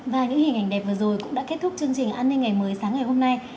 và những hình ảnh đẹp vừa rồi cũng đã kết thúc chương trình an ninh ngày mới sáng ngày hôm nay